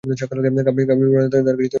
কাব্যিক প্রেরণা তার কাছে ছিল একদমই সহজাত।